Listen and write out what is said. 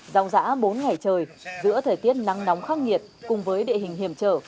dòng giã bốn ngày trời giữa thời tiết nắng nóng khắc nghiệt cùng với địa hình hiểm trở